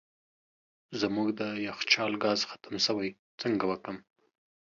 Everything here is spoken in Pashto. زموږ د یخچال ګاز ختم سوی څنګه وکم